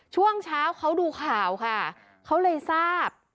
ช่วงเช้าเขาดูข่าวค่ะเขาเลยทราบ